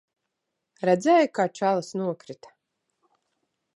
Redzēji, kā čalis nokrita?